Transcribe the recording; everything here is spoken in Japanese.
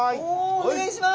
お願いします。